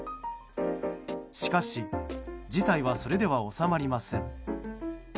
しかし、事態はそれでは収まりません。